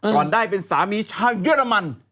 ก่อนได้เป็นสามีชาวเยอรมัน